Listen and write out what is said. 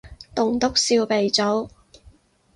棟篤笑鼻祖